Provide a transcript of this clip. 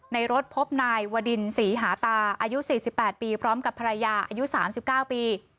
ในรถพบนายวดินศรีหาตาอายุ๔๘ปีพร้อมกับภรรยาอายุ๓๙ปี